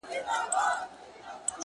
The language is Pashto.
دوه زړونه د يوې ستنې له تاره راوتلي’